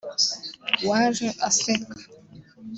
waje aseka